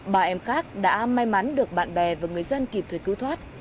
ba em khác đã may mắn được bạn bè và người dân kịp thời cứu thoát